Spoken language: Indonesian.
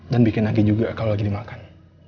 dan bikin nagih juga kalau lagi dimakan